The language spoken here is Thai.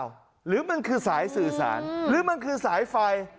นี่คือสายสื่อสารหรือมันคือสายไฟ